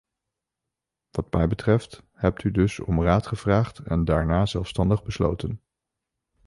Wat mij betreft hebt u dus om raad gevraagd en daarna zelfstandig besloten.